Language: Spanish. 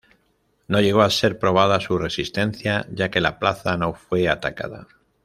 No llegó a ser probada su resistencia ya que la plaza no fue atacada.